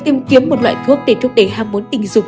tìm kiếm một loại thuốc để thúc đẩy ham muốn tình dục